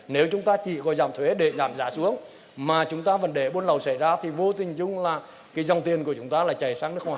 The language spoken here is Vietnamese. nếu chúng ta chỉ gọi giảm thuế để giảm giá xuống mà chúng ta vấn đề bôn lầu xảy ra thì vô tình chung là cái dòng tiền của chúng ta là chạy sang nước ngoài